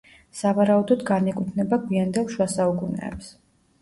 სავარაუდოდ განეკუთვნება გვიანდელ შუა საუკუნეებს.